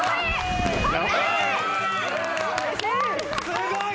すごい。